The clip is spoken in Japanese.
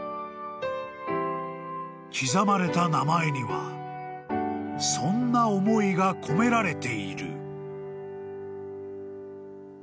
［刻まれた名前にはそんな思いが込められている］